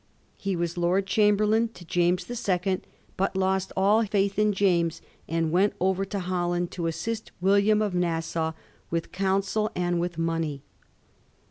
He was Lord Chamberlain to James the Second j but lost aU faith in James, and went over to Holland to assist William of Nassau with counsel and with money.